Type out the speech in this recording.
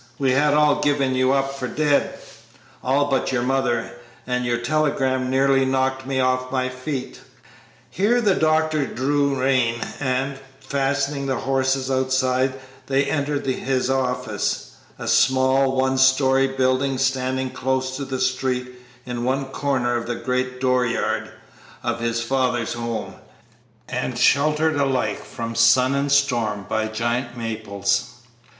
We had all given you up for dead all but your mother; and your telegram nearly knocked me off my feet." Here the doctor drew rein, and, fastening the horses outside, they entered his office, a small, one story building standing close to the street in one corner of the great dooryard of his father's home, and sheltered alike from sun and storm by giant maples.